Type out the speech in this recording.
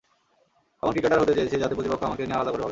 এমন ক্রিকেটার হতে চেয়েছি, যাতে প্রতিপক্ষ আমাকে নিয়ে আলাদা করে ভাবে।